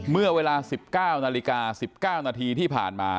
เมื่อเวลา๑๙นาฬิกา๑๙นาทีที่ผ่านมา